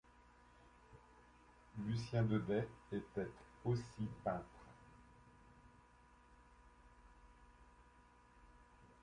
Lucien Daudet était aussi peintre.